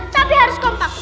tapi harus kompak